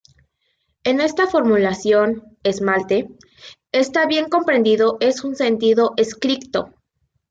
En esta formulación, "esmalte" está bien comprendido en un sentido estricto.